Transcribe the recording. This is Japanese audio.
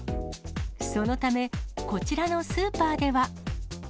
そのため、こちらのスーパーでは。